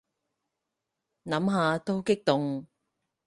諗下都激動